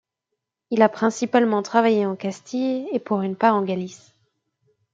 Il a principalement travaillé en Castille et pour une part en Galice.